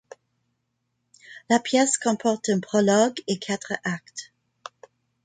La pièce comporte un prologue et quatre actes.